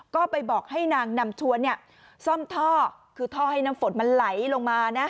ก็ไปบอกให้นางนำชวนเนี่ยซ่อมท่อคือท่อให้น้ำฝนมันไหลลงมานะ